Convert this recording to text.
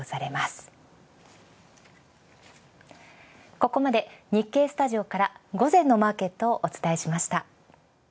ここまで日経スタジオから午前のマーケットをお伝えしました。